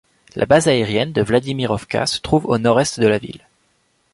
La base aérienne de Vladimirovka se trouve au nord-est de la ville.